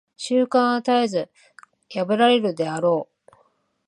習慣は絶えず破られるであろう。